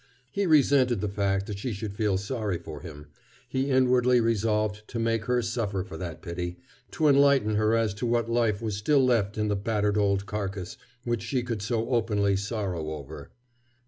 He resented the fact that she should feel sorry for him. He inwardly resolved to make her suffer for that pity, to enlighten her as to what life was still left in the battered old carcass which she could so openly sorrow over.